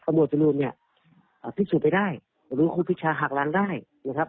อบวทจรุนเนี้ยเอ่อพิสูจน์ไปได้หรือครูปิชาหักล้างได้นะครับ